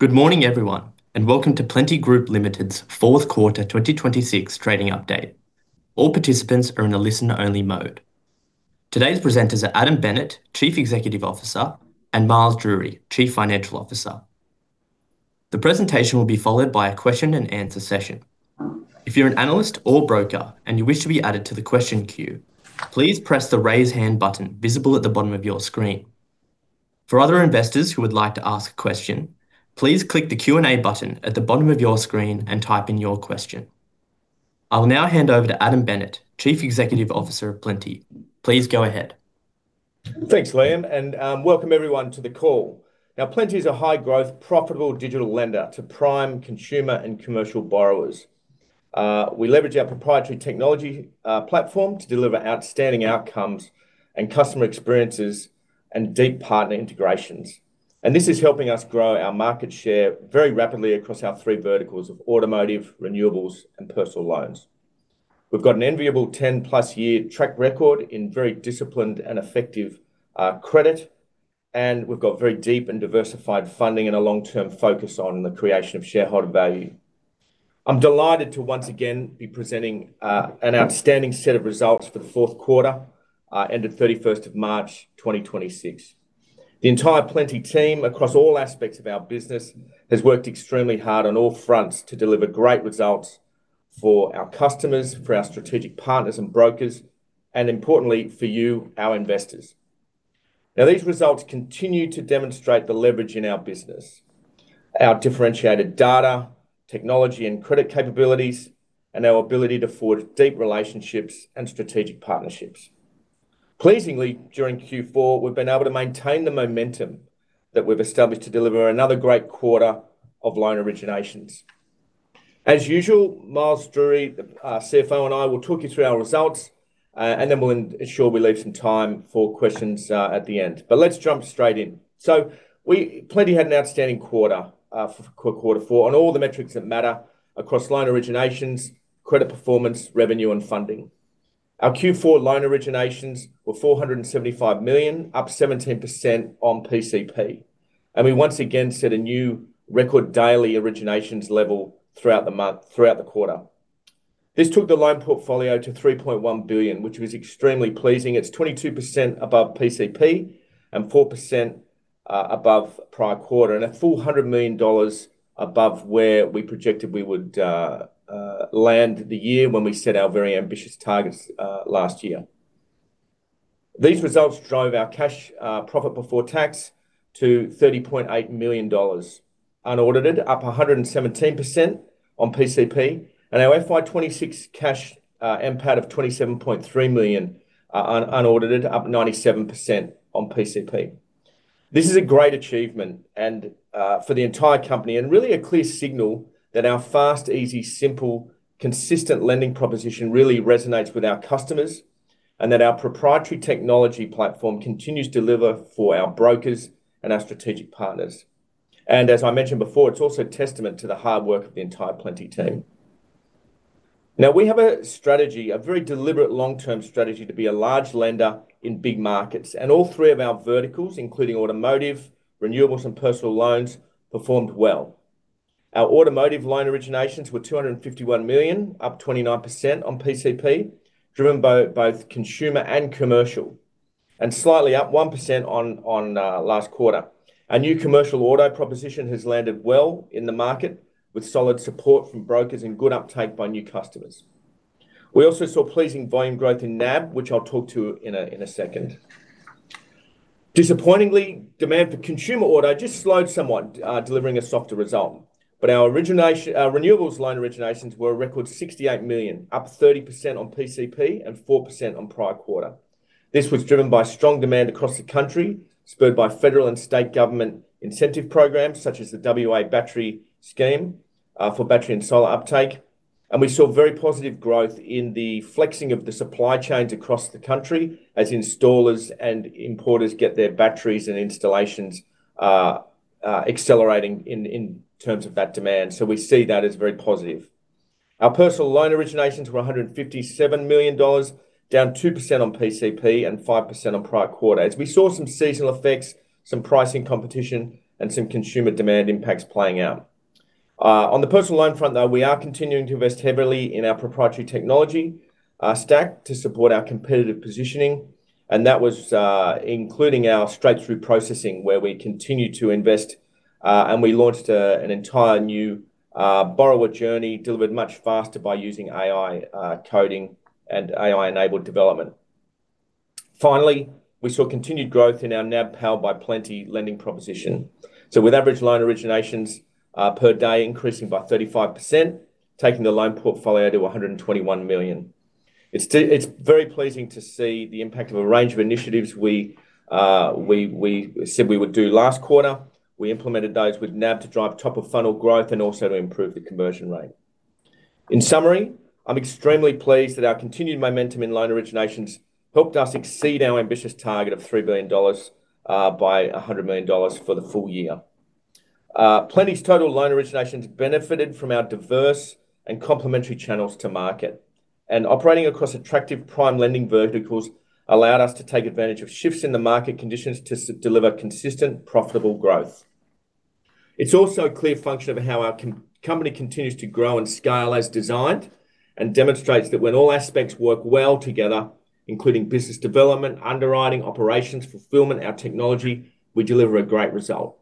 Good morning everyone, and welcome to Plenti Group Ltd's fourth quarter 2026 trading update. All participants are in a listen-only mode. Today's presenters are Adam Bennett, Chief Executive Officer, and Miles Drury, Chief Financial Officer. The presentation will be followed by a question-and-answer session. If you're an analyst or broker and you wish to be added to the question queue, please press the Raise Hand button visible at the bottom of your screen. For other investors who would like to ask a question, please click the Q&A button at the bottom of your screen and type in your question. I'll now hand over to Adam Bennett, Chief Executive Officer of Plenti. Please go ahead. Thanks, Liam, and welcome everyone to the call. Now, Plenti is a high-growth, profitable digital lender to prime consumer and commercial borrowers. We leverage our proprietary technology platform to deliver outstanding outcomes and customer experiences, and deep partner integrations. This is helping us grow our market share very rapidly across our three verticals of automotive, renewables, and personal loans. We've got an enviable 10+ year track record in very disciplined and effective credit, and we've got very deep and diversified funding and a long-term focus on the creation of shareholder value. I'm delighted to once again be presenting an outstanding set of results for the fourth quarter, ended 31st of March 2026. The entire Plenti team, across all aspects of our business, has worked extremely hard on all fronts to deliver great results for our customers, for our strategic partners and brokers, and importantly for you, our investors. These results continue to demonstrate the leverage in our business, our differentiated data, technology and credit capabilities, and our ability to forge deep relationships and strategic partnerships. Pleasingly, during Q4, we've been able to maintain the momentum that we've established to deliver another great quarter of loan originations. As usual, Miles Drury, the CFO, and I will talk you through our results, and then we'll ensure we leave some time for questions, at the end. Let's jump straight in. Plenti had an outstanding quarter four on all the metrics that matter across loan originations, credit performance, revenue, and funding. Our Q4 loan originations were 475 million, up 17% on PCP. We once again set a new record daily originations level throughout the quarter. This took the loan portfolio to 3.1 billion, which was extremely pleasing. It's 22% above PCP and 4% above prior quarter, and a full 100 million dollars above where we projected we would land the year when we set our very ambitious targets last year. These results drove our cash profit before tax to 30.8 million dollars unaudited, up 117% on PCP, and our FY 2026 cash NPAT of 27.3 million unaudited, up 97% on PCP. This is a great achievement and for the entire company, and really a clear signal that our fast, easy, simple, consistent lending proposition really resonates with our customers, and that our proprietary technology platform continues to deliver for our brokers and our strategic partners. As I mentioned before, it's also a testament to the hard work of the entire Plenti team. We have a strategy, a very deliberate long-term strategy, to be a large lender in big markets, and all three of our verticals, including automotive, renewables, and personal loans, performed well. Our automotive loan originations were 251 million, up 29% on PCP, driven by both consumer and commercial, and slightly up 1% on last quarter. Our new commercial auto proposition has landed well in the market, with solid support from brokers and good uptake by new customers. We also saw pleasing volume growth in NAB, which I'll talk to in a second. Disappointingly, demand for consumer auto just slowed somewhat, delivering a softer result. Our renewables loan originations were a record 68 million, up 30% on PCP and 4% on prior quarter. This was driven by strong demand across the country, spurred by federal and state government incentive programs such as the WA Battery Scheme for battery and solar uptake. We saw very positive growth in the flexing of the supply chains across the country as installers and importers get their batteries and installations accelerating in terms of that demand. We see that as very positive. Our personal loan originations were 157 million dollars, down 2% on PCP and 5% on prior quarter as we saw some seasonal effects, some pricing competition, and some consumer demand impacts playing out. On the personal loan front, though, we are continuing to invest heavily in our proprietary technology stack to support our competitive positioning, and that was including our straight-through processing where we continued to invest, and we launched an entire new borrower journey, delivered much faster by using AI coding and AI-enabled development. Finally, we saw continued growth in our NAB powered by Plenti lending proposition. With average loan originations per day increasing by 35%, taking the loan portfolio to 121 million. It's very pleasing to see the impact of a range of initiatives we said we would do last quarter. We implemented those with NAB to drive top-of-funnel growth and also to improve the conversion rate. In summary, I'm extremely pleased that our continued momentum in loan originations helped us exceed our ambitious target of 3 billion dollars by 100 million dollars for the full year. Plenti's total loan originations benefited from our diverse and complementary channels to market. Operating across attractive prime lending verticals allowed us to take advantage of shifts in the market conditions to deliver consistent, profitable growth. It's also a clear function of how our company continues to grow and scale as designed, and demonstrates that when all aspects work well together, including business development, underwriting, operations, fulfillment, our technology, we deliver a great result.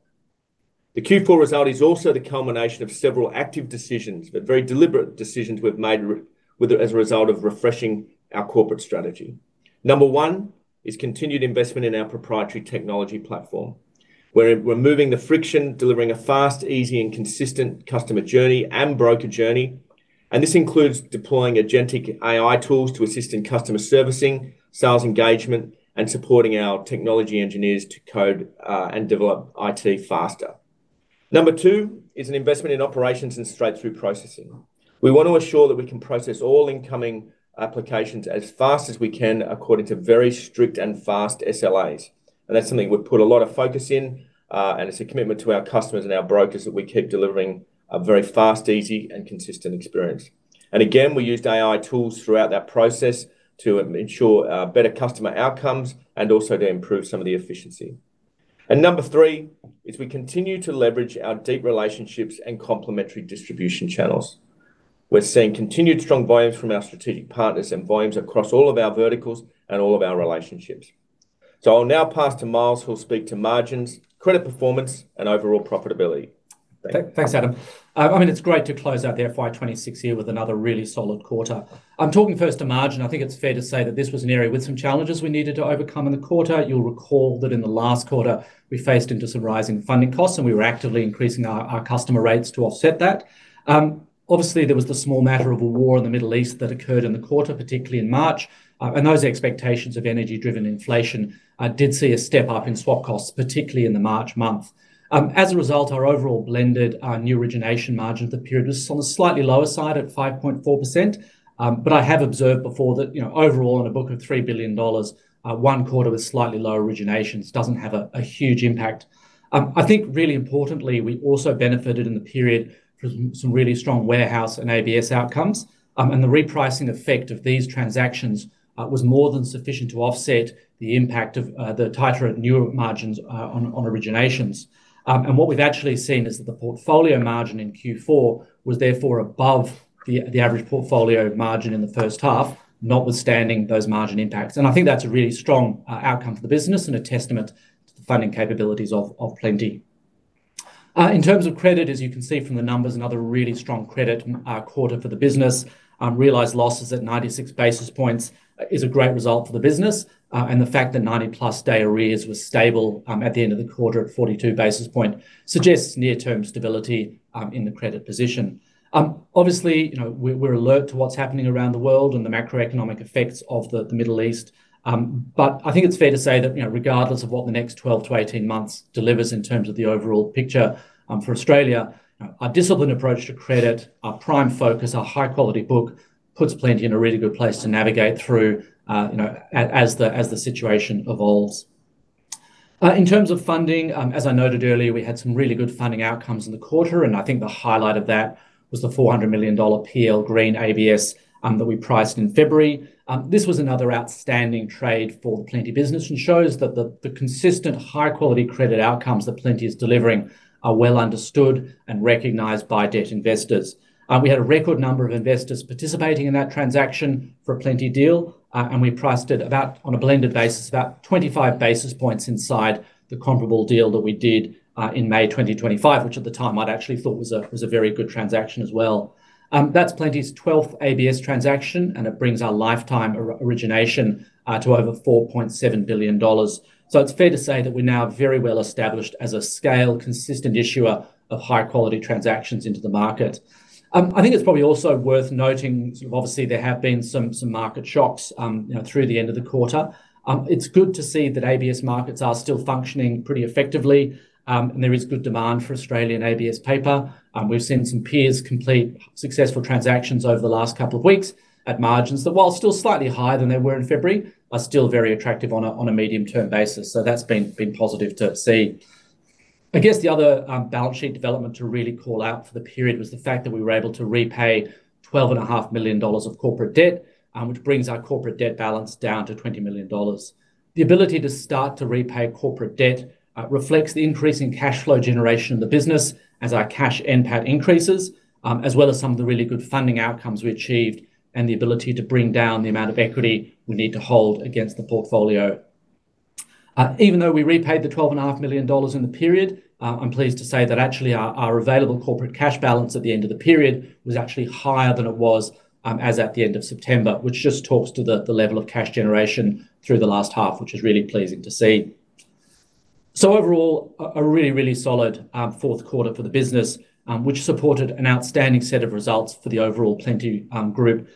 The Q4 result is also the culmination of several active decisions, but very deliberate decisions we've made as a result of refreshing our corporate strategy. Number one is continued investment in our proprietary technology platform where we're removing the friction, delivering a fast, easy and consistent customer journey and broker journey. This includes deploying agentic AI tools to assist in customer servicing, sales engagement, and supporting our technology engineers to code, and develop IT faster. Number two is an investment in operations and straight-through processing. We want to assure that we can process all incoming applications as fast as we can, according to very strict and fast SLAs. That's something we've put a lot of focus in, and it's a commitment to our customers and our brokers that we keep delivering a very fast, easy and consistent experience. Again, we used AI tools throughout that process to ensure better customer outcomes and also to improve some of the efficiency. Number three is we continue to leverage our deep relationships and complementary distribution channels. We're seeing continued strong volumes from our strategic partners and volumes across all of our verticals and all of our relationships. I'll now pass to Miles, who'll speak to margins, credit performance and overall profitability. Thank you. Thanks, Adam. It's great to close out the FY 2026 year with another really solid quarter. I'm talking first to margin. I think it's fair to say that this was an area with some challenges we needed to overcome in the quarter. You'll recall that in the last quarter we faced into some rising funding costs, and we were actively increasing our customer rates to offset that. Obviously, there was the small matter of a war in the Middle East that occurred in the quarter, particularly in March. And those expectations of energy-driven inflation did see a step-up in swap costs, particularly in the March month. As a result, our overall blended new origination margin for the period was on the slightly lower side at 5.4%. I have observed before that overall, in a book of 3 billion dollars, one quarter with slightly lower originations doesn't have a huge impact. I think really importantly, we also benefited in the period from some really strong warehouse and ABS outcomes. The repricing effect of these transactions was more than sufficient to offset the impact of the tighter and newer margins on originations. What we've actually seen is that the portfolio margin in Q4 was therefore above the average portfolio margin in the first half, notwithstanding those margin impacts. I think that's a really strong outcome for the business and a testament to the funding capabilities of Plenti. In terms of credit, as you can see from the numbers, another really strong credit quarter for the business. Realized losses at 96 basis points is a great result for the business. The fact that 90+ day arrears was stable at the end of the quarter at 42 basis points suggests near-term stability in the credit position. Obviously, we're alert to what's happening around the world and the macroeconomic effects of the Middle East. I think it's fair to say that regardless of what the next 12-18 months delivers in terms of the overall picture for Australia, a disciplined approach to credit, a prime focus, a high-quality book puts Plenti in a really good place to navigate through as the situation evolves. In terms of funding, as I noted earlier, we had some really good funding outcomes in the quarter, and I think the highlight of that was the 400 million dollar PL & Green ABS that we priced in February. This was another outstanding trade for the Plenti business and shows that the consistent high-quality credit outcomes that Plenti is delivering are well understood and recognized by debt investors. We had a record number of investors participating in that transaction for a Plenti deal, and we priced it on a blended basis, about 25 basis points inside the comparable deal that we did in May 2025, which at the time I'd actually thought was a very good transaction as well. That's Plenti's 12th ABS transaction, and it brings our lifetime origination to over 4.7 billion dollars. It's fair to say that we're now very well established as a scale consistent issuer of high-quality transactions into the market. I think it's probably also worth noting, obviously, there have been some market shocks through the end of the quarter. It's good to see that ABS markets are still functioning pretty effectively, and there is good demand for Australian ABS paper. We've seen some peers complete successful transactions over the last couple of weeks at margins that, while still slightly higher than they were in February, are still very attractive on a medium-term basis. That's been positive to see. I guess the other balance sheet development to really call out for the period was the fact that we were able to repay 12.5 million dollars of corporate debt, which brings our corporate debt balance down to 20 million dollars. The ability to start to repay corporate debt reflects the increase in cash flow generation in the business as our cash NPAT increases, as well as some of the really good funding outcomes we achieved and the ability to bring down the amount of equity we need to hold against the portfolio. Even though we repaid the 12.5 million dollars in the period, I'm pleased to say that actually, our available corporate cash balance at the end of the period was actually higher than it was as at the end of September, which just talks to the level of cash generation through the last half, which is really pleasing to see. So overall, a really, really solid fourth quarter for the business, which supported an outstanding set of results for the overall Plenti Group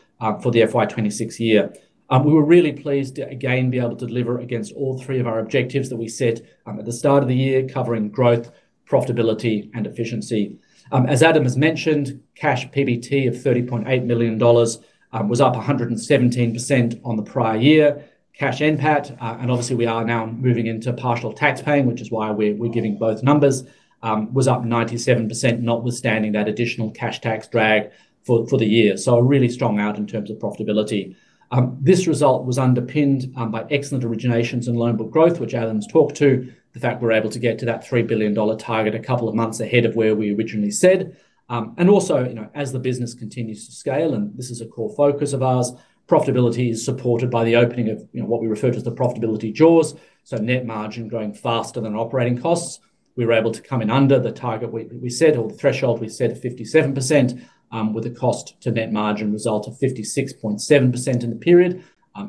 for the FY 2026 year. We were really pleased to again be able to deliver against all three of our objectives that we set at the start of the year, covering growth, profitability, and efficiency. As Adam has mentioned, cash PBT of 30.8 million dollars was up 117% on the prior year. Cash NPAT, and obviously we are now moving into partial tax paying, which is why we're giving both numbers, was up 97%, notwithstanding that additional cash tax drag for the year. A really strong outcome in terms of profitability. This result was underpinned by excellent originations and loan book growth, which Adam's talked to. The fact we're able to get to that 3 billion dollar target a couple of months ahead of where we originally said. Also, as the business continues to scale, and this is a core focus of ours, profitability is supported by the opening of what we refer to as the profitability jaws, so net margin growing faster than operating costs. We were able to come in under the target we set, or the threshold we set of 57%, with a cost to net margin result of 56.7% in the period.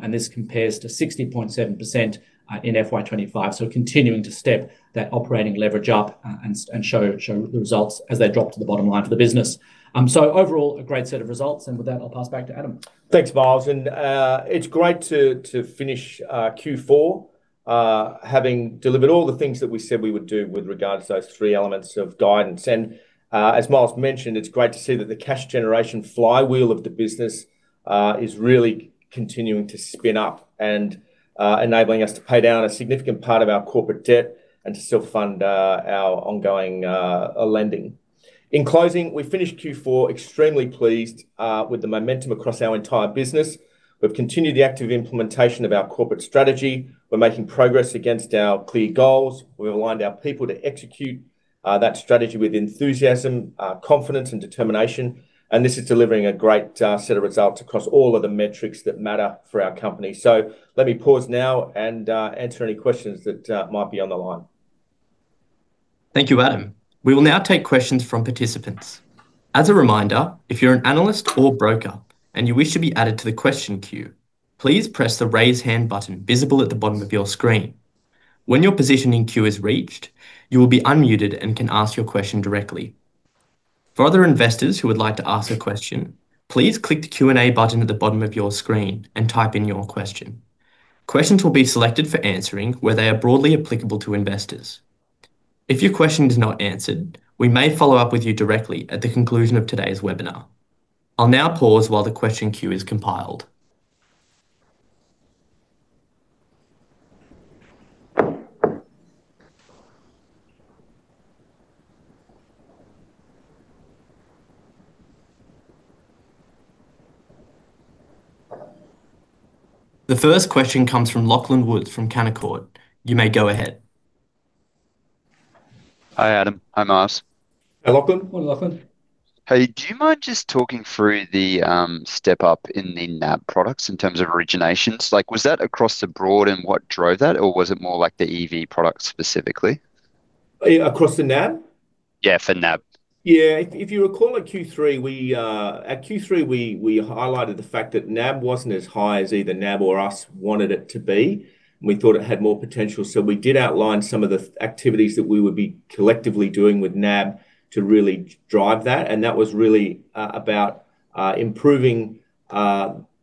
This compares to 60.7% in FY 2025, so continuing to step that operating leverage up and show the results as they drop to the bottom line for the business. Overall, a great set of results, and with that, I'll pass back to Adam. Thanks, Miles. It's great to finish Q4 having delivered all the things that we said we would do with regards to those three elements of guidance. As Miles mentioned, it's great to see that the cash generation flywheel of the business is really continuing to spin up and enabling us to pay down a significant part of our corporate debt and to still fund our ongoing lending. In closing, we finished Q4 extremely pleased with the momentum across our entire business. We've continued the active implementation of our corporate strategy. We're making progress against our clear goals. We've aligned our people to execute that strategy with enthusiasm, confidence, and determination, and this is delivering a great set of results across all of the metrics that matter for our company. Let me pause now and answer any questions that might be on the line. Thank you, Adam. We will now take questions from participants. As a reminder, if you're an analyst or broker and you wish to be added to the question queue, please press the Raise Hand button visible at the bottom of your screen. When your position in queue is reached, you will be unmuted and can ask your question directly. For other investors who would like to ask a question, please click the Q&A button at the bottom of your screen and type in your question. Questions will be selected for answering where they are broadly applicable to investors. If your question is not answered, we may follow up with you directly at the conclusion of today's webinar. I'll now pause while the question queue is compiled. The first question comes from Lachlan Woods from Canaccord. You may go ahead. Hi, Adam. Hi, Miles. Hey, Lachlan. Hi, Lachlan. Hey, do you mind just talking through the step-up in the NAB products in terms of originations? Was that across the board and what drove that? Or was it more the EV product specifically? Across the NAB? Yeah, for NAB. Yeah. If you recall at Q3, we highlighted the fact that NAB wasn't as high as either NAB or us wanted it to be, and we thought it had more potential. We did outline some of the activities that we would be collectively doing with NAB to really drive that, and that was really about improving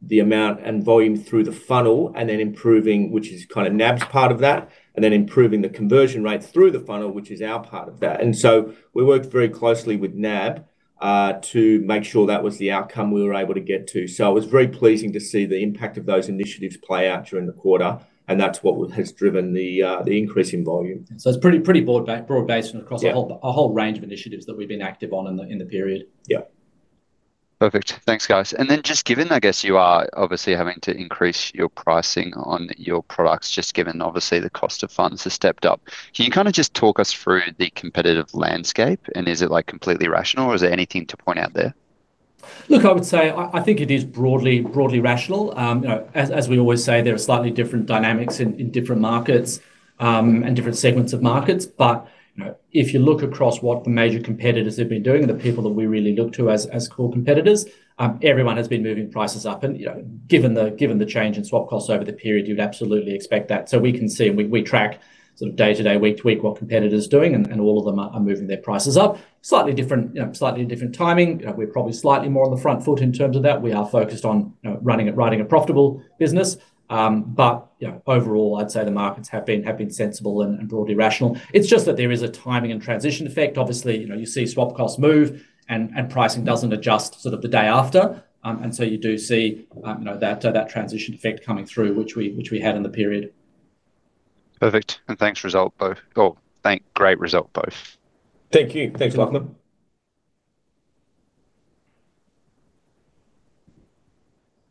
the amount and volume through the funnel, which is kind of NAB's part of that, and then improving the conversion rates through the funnel, which is our part of that. We worked very closely with NAB to make sure that was the outcome we were able to get to. It was very pleasing to see the impact of those initiatives play out during the quarter, and that's what has driven the increase in volume. It's pretty broad-based. Yeah. Across a whole range of initiatives that we've been active on in the period. Yeah. Perfect. Thanks, guys. Just given, I guess, you are obviously having to increase your pricing on your products, just given obviously the cost of funds has stepped up. Can you just talk us through the competitive landscape, and is it completely rational or is there anything to point out there? Look, I would say, I think it is broadly rational. As we always say, there are slightly different dynamics in different markets, and different segments of markets. If you look across what the major competitors have been doing and the people that we really look to as core competitors, everyone has been moving prices up. Given the change in swap costs over the period, you would absolutely expect that. We can see and we track day to day, week to week what competitors are doing, and all of them are moving their prices up. Slightly different timing. We're probably slightly more on the front foot in terms of that. We are focused on running a profitable business. Overall, I'd say the markets have been sensible and broadly rational. It's just that there is a timing and transition effect. Obviously, you see swap costs move and pricing doesn't adjust the day after, and so you do see that transition effect coming through, which we had in the period. Perfect, and great result both. Thank you. Thanks, Lachlan.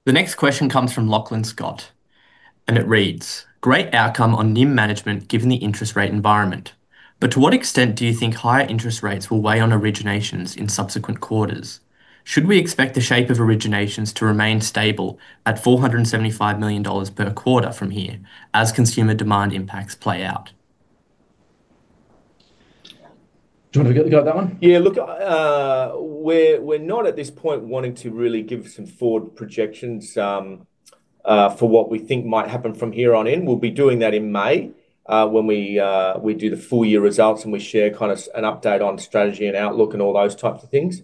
The next question comes from Lachlan Scott, and it reads: Great outcome on NIM management given the interest rate environment. To what extent do you think higher interest rates will weigh on originations in subsequent quarters? Should we expect the shape of originations to remain stable at 475 million dollars per quarter from here as consumer demand impacts play out? Do you want me to go with that one? Yeah. Look, we're not at this point wanting to really give some forward projections for what we think might happen from here on in. We'll be doing that in May when we do the full year results and we share an update on strategy and outlook and all those types of things.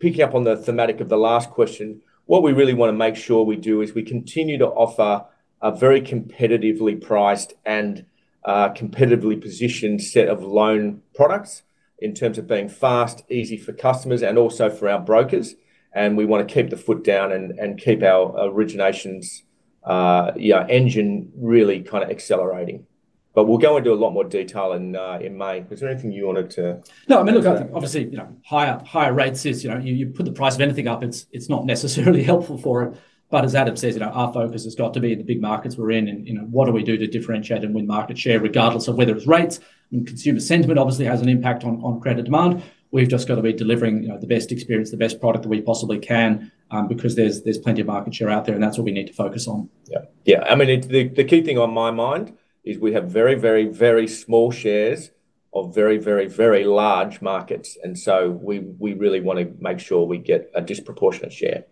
Picking up on the thematic of the last question, what we really want to make sure we do is we continue to offer a very competitively priced and competitively positioned set of loan products in terms of being fast, easy for customers and also for our brokers. We want to keep the foot down and keep our originations engine really kind of accelerating. We'll go into a lot more detail in May. Was there anything you wanted to? No, look, obviously, higher rates, you put the price of anything up, it's not necessarily helpful for it. As Adam says, our focus has got to be in the big markets we're in and what do we do to differentiate and win market share, regardless of whether it's rates. Consumer sentiment obviously has an impact on credit demand. We've just got to be delivering the best experience, the best product that we possibly can, because there's plenty of market share out there, and that's what we need to focus on. Yeah. The key thing on my mind is we have very small shares of very large markets. We really want to make sure we get a disproportionate share.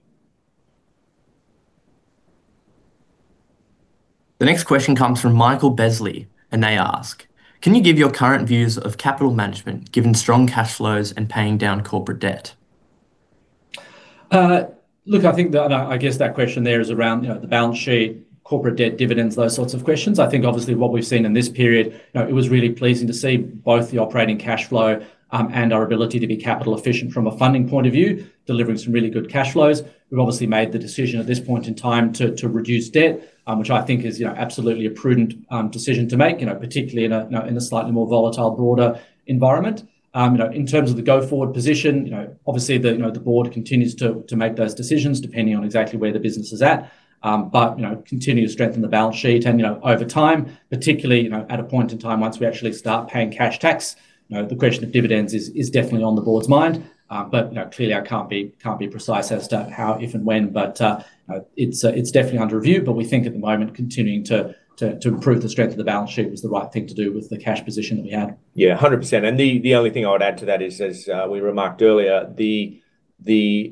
The next question comes from Michael Beasley, and they ask, "Can you give your current views of capital management, given strong cash flows and paying down corporate debt?" Look, I guess that question there is around the balance sheet, corporate debt, dividends, those sorts of questions. I think obviously what we've seen in this period, it was really pleasing to see both the operating cash flow and our ability to be capital efficient from a funding point of view, delivering some really good cash flows. We've obviously made the decision at this point in time to reduce debt, which I think is absolutely a prudent decision to make, particularly in a slightly more volatile, broader environment. In terms of the go forward position, obviously, the board continues to make those decisions depending on exactly where the business is at. Continue to strengthen the balance sheet, and over time, particularly at a point in time once we actually start paying cash tax, the question of dividends is definitely on the board's mind. Clearly, I can't be precise as to how, if, and when, but it's definitely under review. We think at the moment, continuing to improve the strength of the balance sheet was the right thing to do with the cash position that we had. Yeah, 100%. The only thing I would add to that is, as we remarked earlier, the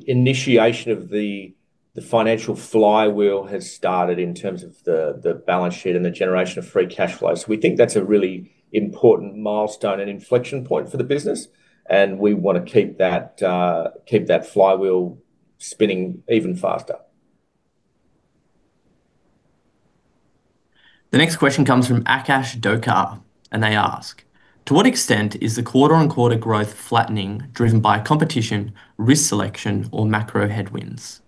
initiation of the financial flywheel has started in terms of the balance sheet and the generation of free cash flow. We think that's a really important milestone and inflection point for the business, and we want to keep that flywheel spinning even faster. The next question comes from [Akash Dowka], and they ask, "To what extent is the quarter-on-quarter growth flattening driven by competition, risk selection, or macro headwinds?"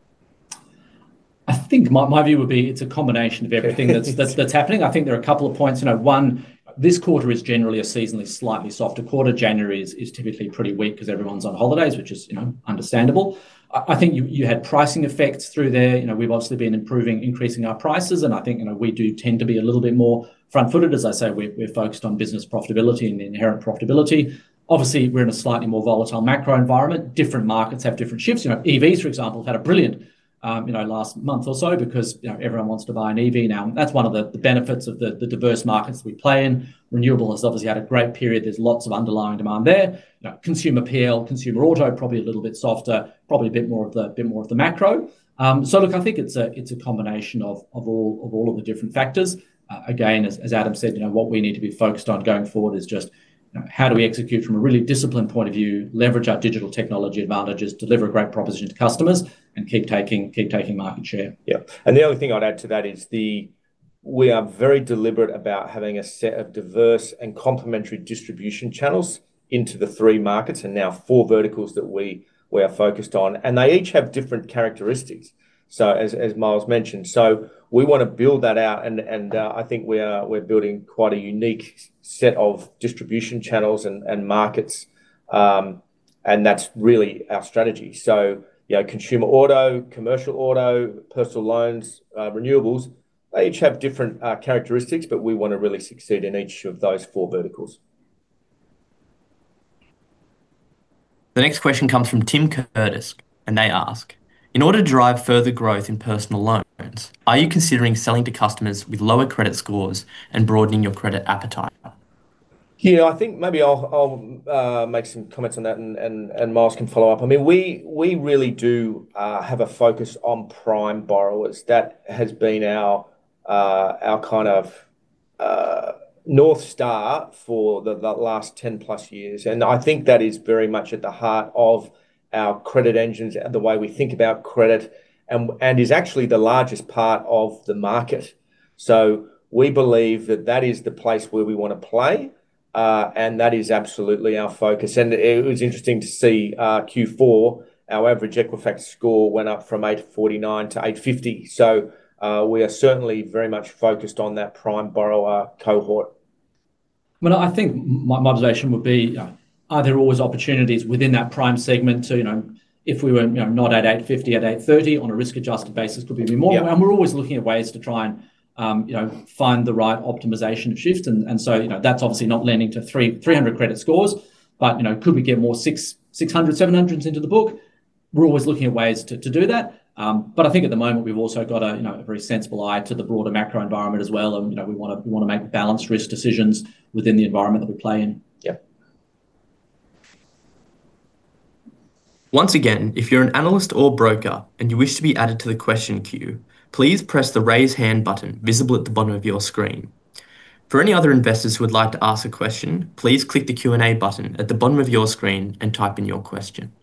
I think my view would be it's a combination of everything that's happening. I think there are a couple of points. One, this quarter is generally a seasonally slightly softer quarter. January is typically pretty weak because everyone's on holidays, which is understandable. I think you had pricing effects through there. We've obviously been improving, increasing our prices, and I think we do tend to be a little bit more front-footed. As I say, we're focused on business profitability and inherent profitability. Obviously, we're in a slightly more volatile macro environment. Different markets have different shifts. EVs, for example, had a brilliant last month or so because everyone wants to buy an EV now. That's one of the benefits of the diverse markets we play in. Renewable has obviously had a great period. There's lots of underlying demand there. Consumer PL, consumer auto, probably a little bit softer, probably a bit more of the macro. Look, I think it's a combination of all of the different factors. Again, as Adam said, what we need to be focused on going forward is just how do we execute from a really disciplined point of view, leverage our digital technology advantages, deliver a great proposition to customers, and keep taking market share. Yeah. The only thing I'd add to that is we are very deliberate about having a set of diverse and complementary distribution channels into the three markets and now four verticals that we are focused on. They each have different characteristics, as Miles mentioned. We want to build that out, and I think we're building quite a unique set of distribution channels and markets, and that's really our strategy. Consumer auto, commercial auto, personal loans, renewables, they each have different characteristics, but we want to really succeed in each of those four verticals. The next question comes from Tim Curtis, and they ask, "In order to drive further growth in personal loans, are you considering selling to customers with lower credit scores and broadening your credit appetite?" Yeah, I think maybe I'll make some comments on that, and Miles can follow up. We really do have a focus on prime borrowers. That has been our kind of North Star for the last 10+ years, and I think that is very much at the heart of our credit engines and the way we think about credit, and is actually the largest part of the market. We believe that that is the place where we want to play, and that is absolutely our focus. It was interesting to see Q4, our average Equifax score went up from 849 to 850. We are certainly very much focused on that prime borrower cohort. I think my observation would be, are there always opportunities within that prime segment to, if we were not at 850, at 830 on a risk-adjusted basis, could we be more? Yeah. We're always looking at ways to try and find the right optimization of shifts. That's obviously not lending to 300 credit scores. Could we get more 600s, 700s into the book? We're always looking at ways to do that. I think at the moment, we've also got a very sensible eye to the broader macro environment as well, and we want to make balanced risk decisions within the environment that we play in. Yeah. Once again, if you're an analyst or broker and you wish to be added to the question queue, please press the raise hand button visible at the bottom of your screen. For any other investors who would like to ask a question, please click the Q&A button at the bottom of your screen and type in your question.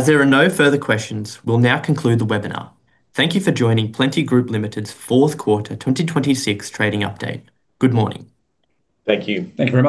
As there are no further questions, we'll now conclude the webinar. Thank you for joining Plenti Group Ltd's fourth quarter 2026 trading update. Good morning. Thank you. Thank you very much.